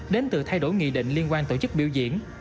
đến từ thay đổi nghị định liên quan tổ chức biểu diễn